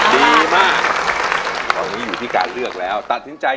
ดีมากตอนนี้อยู่ที่การเลือกแล้วตัดสินใจ